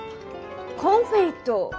コンフェイト。